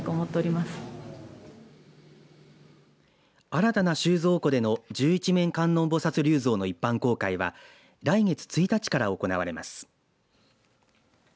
新たな収蔵庫での十一面観音菩薩立像の一般公開は来月１日から行われます。